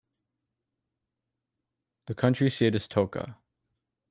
The county seat is Toccoa.